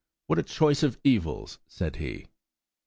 "What a choice of evils!" said he.